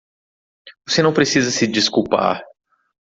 Você não precisa se desculpar.